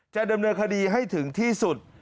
จะดำเนินคดีให้ถึงที่สุด